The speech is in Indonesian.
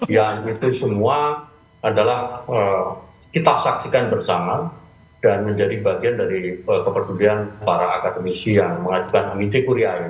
yang itu semua adalah kita saksikan bersama dan menjadi bagian dari kepedulian para akademisi yang mengajukan amij kuria ini